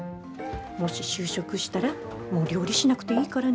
もし就職したらもう料理しなくていいからね。